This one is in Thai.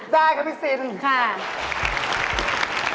ได้ค่ะพี่ซินค่ะค่ะ